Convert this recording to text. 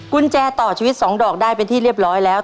กุญแจต่อชีวิต๒ดอกได้เป็นที่เรียบร้อยแล้ว